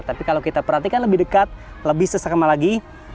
tapi kalau kita perhatikan lebih dekat lebih sesama lagi